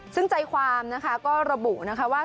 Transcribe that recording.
ซึ่งใจความนะคะก็ระบุนะคะว่า